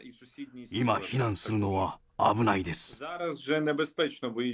今避難するのは危ないです。